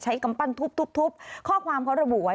กำปั้นทุบทุบข้อความเขาระบุไว้